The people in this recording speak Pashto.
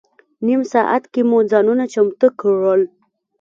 نیم ساعت کې مو ځانونه چمتو کړل.